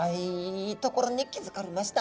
いいところに気付かれました。